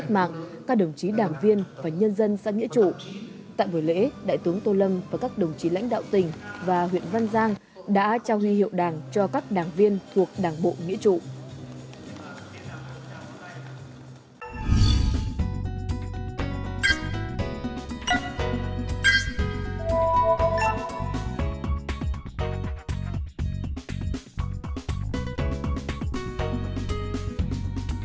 trong dịp đầu xuân mới đại tướng tô lâm và các đồng chí lão thành kết mạng đã trao huy hiệu đảng cho các đảng viên thuộc đảng bộ nghĩa trụ